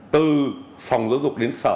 từ phòng giáo dục đến sở